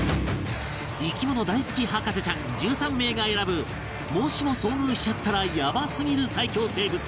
生き物大好き博士ちゃん１３名が選ぶもしも遭遇しちゃったらヤバすぎる最恐生物